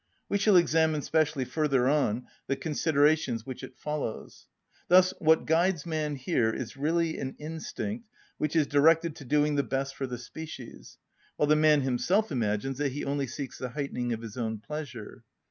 We shall examine specially further on the considerations which it follows. Thus what guides man here is really an instinct which is directed to doing the best for the species, while the man himself imagines that he only seeks the heightening of his own pleasure.